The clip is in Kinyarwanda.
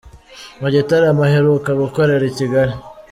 Mu gitaramo aheruka gukorera i Kigali.